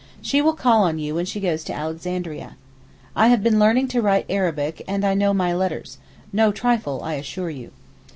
She will call on you when she goes to Alexandria. I have been learning to write Arabic, and know my letters—no trifle, I assure you.